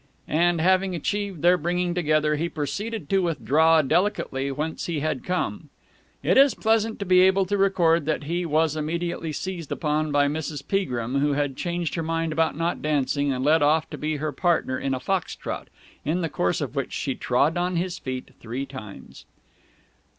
And, having achieved their bringing together, he proceeded to withdraw delicately whence he had come. It is pleasant to be able to record that he was immediately seized upon by Mrs. Peagrim, who had changed her mind about not dancing, and led off to be her partner in a fox trot, in the course of which she trod on his feet three times.